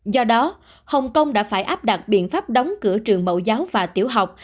do đó hồng kông đã phải áp đặt biện pháp đóng cửa trường mẫu giáo và tiểu học